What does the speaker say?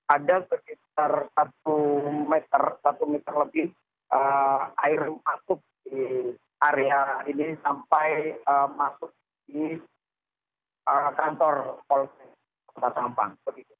ada sekitar satu meter satu meter lebih air masuk di area ini sampai masuk di kantor polsek kota sampang